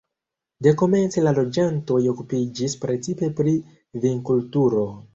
Dekomence la loĝantoj okupiĝis precipe pri vinkulturo.